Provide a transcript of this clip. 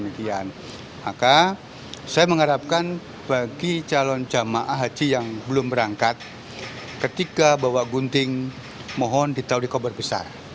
maka saya mengharapkan bagi calon jamaah haji yang belum berangkat ketika bawa gunting mohon ditawar di kompor besar